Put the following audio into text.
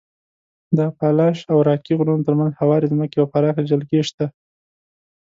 د اپالاش او راکي غرونو تر منځ هوارې ځمکې او پراخې جلګې شته.